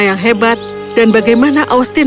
yang hebat dan bagaimana austin